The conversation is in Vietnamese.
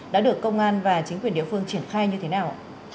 đã được công an và chính quyền địa phương triển khai như thế nào ạ